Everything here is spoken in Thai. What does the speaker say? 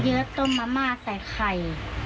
เยอะต้มมะม่าใส่ไข่